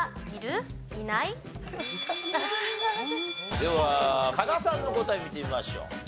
では加賀さんの答え見てみましょう。